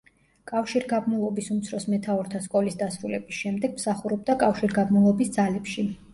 კავშირგაბმულობის უმცროს მეთაურთა სკოლის დასრულების შემდეგ, მსახურობდა კავშირგაბმულობის ძალებში.